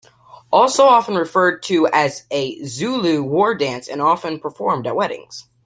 Also often referred to as a Zulu war dance and often performed at weddings.